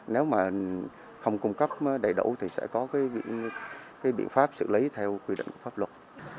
nếu mà không cung cấp đầy đủ thì sẽ có cái biện pháp xử lý theo quy định của pháp luật